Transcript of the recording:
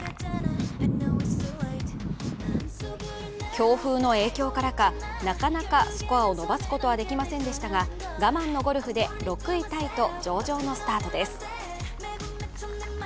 強風の影響からかなかなかスコアを伸ばすことはできませんでしたが我慢のゴルフで６位タイと上々のスタートです。